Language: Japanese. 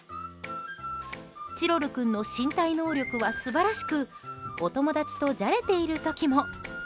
チロル君の身体能力は素晴らしくお友達とじゃれている時も。